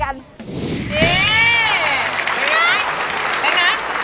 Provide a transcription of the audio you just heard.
อย่างนั้น